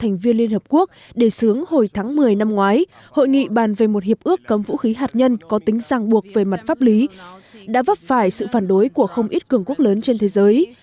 trong khi liên hợp quốc đề xướng hồi tháng một mươi năm ngoái hội nghị bàn về một hiệp ước cấm vũ khí hạt nhân có tính giang buộc về mặt pháp lý đã vấp phải sự phản đối của không ít cường quốc lớn trên thế giới